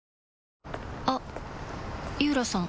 あっ井浦さん